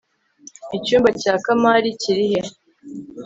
icyumba cya kamari kirihe